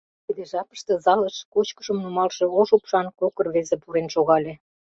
Тиде жапыште залыш кочкышым нумалше ош упшан кок рвезе пурен шогале.